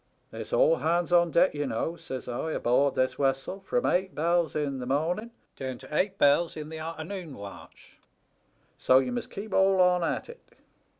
"* It's all hands on deck, ye know,' says I, ' aboard this wessel from eight bells in the morning down to eight bells in the arternoon watch ; so ye must keep all on at it.'